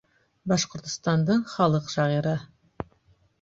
Башҡортостандың халыҡ шағиры.